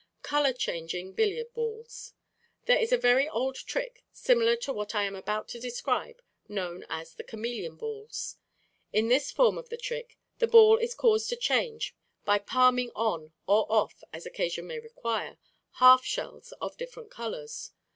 Color changing Billiard Balls.—There is a very old trick similar to what I am about to describe, known as the "Chameleon Balls." In this form of the trick the ball is caused to change by palming on, or off, as occasion may require, half shells of different colors.